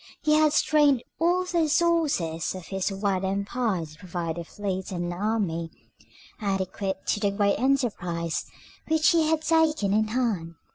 He had strained all the resources of his wide empire to provide a fleet and army adequate to the great enterprise which he had taken in hand.